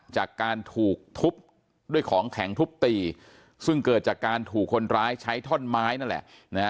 จากการถูกทุบด้วยของแข็งทุบตีซึ่งเกิดจากการถูกคนร้ายใช้ท่อนไม้นั่นแหละนะฮะ